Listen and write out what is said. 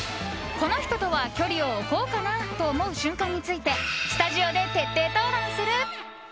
この人とは距離を置こうかなと思う瞬間についてスタジオで徹底討論する。